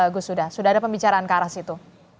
gus huda sudah ada pembicaraan ke arah situ